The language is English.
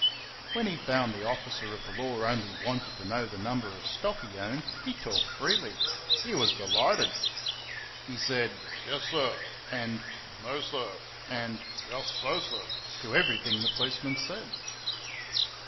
When he found the officer of the law only wanted to know the number of stock he owned, he talked freely he was delighted. He said, "Yes, sir," and "No, sir," and "Jusso, sir," to everything the policeman said.